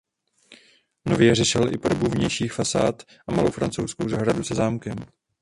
Nově řešil i podobu vnějších fasád a malou francouzskou zahradu za zámkem.